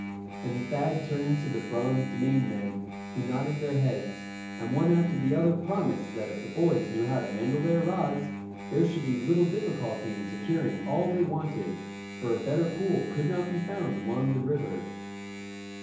and Thad turned to the bronzed Maine men, who nodded their heads, and one after the other promised that if the boys knew how to handle their rods, there should be little difficulty in securing all they wanted, for a better pool could not be found along the river.